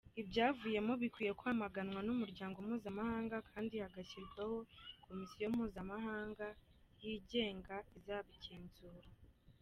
ibyayavuyemo bikwiye kwamaganwa n’Umuryango Mpuzamahanga kandi hagashyirwaho Komisiyo mpuzamahanga yigenga izabigenzura.